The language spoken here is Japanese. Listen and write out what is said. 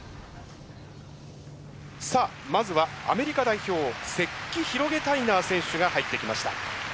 さあまずはアメリカ代表セッキ・ヒロゲタイナー選手が入ってきました。